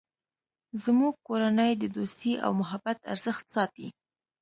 زموږ کورنۍ د دوستۍ او محبت ارزښت ساتی